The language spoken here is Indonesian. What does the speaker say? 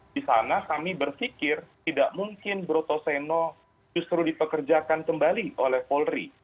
di sana kami berpikir tidak mungkin broto seno justru dipekerjakan kembali oleh polri